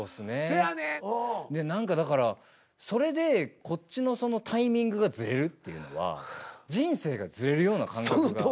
何かだからそれでこっちのタイミングがずれるっていうのは人生がずれるような感覚が。